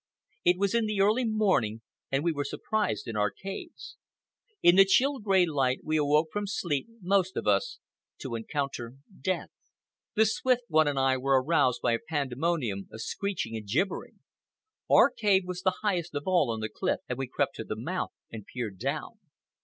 It was in the early morning, and we were surprised in our caves. In the chill gray light we awoke from sleep, most of us, to encounter death. The Swift One and I were aroused by a pandemonium of screeching and gibbering. Our cave was the highest of all on the cliff, and we crept to the mouth and peered down.